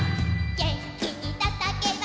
「げんきにたたけば」